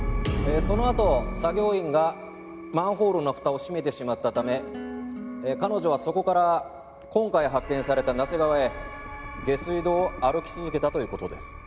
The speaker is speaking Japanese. そのあと作業員がマンホールの蓋を閉めてしまったため彼女はそこから今回発見された那瀬川へ下水道を歩き続けたという事です。